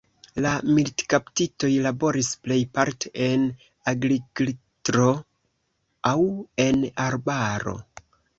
La militkaptitoj laboris plejparte en agrikltro aŭ en arbaro.